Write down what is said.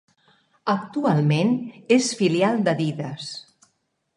Actualment és filial d'Adidas.